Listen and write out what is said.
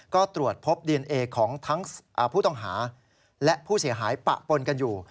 ก็ตรวจพบดีเอนเอของทั้งผู้ต้องหาและผู้เสียหายปะปนกันอยู่